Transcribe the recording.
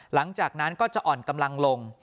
หลังจากนั้นก็จะอ่อนกำลังลง